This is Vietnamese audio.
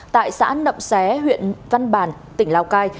tại xã nậm xé huyện văn bàn tỉnh lào cai